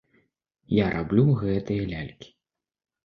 Я раблю гэтыя лялькі.